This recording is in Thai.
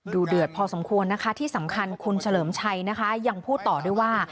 เดือดพอสมควรนะคะที่สำคัญคุณเฉลิมชัยนะคะยังพูดต่อด้วยว่า